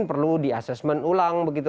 perlu di assessment ulang begitu